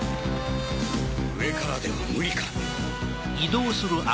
上からでは無理か。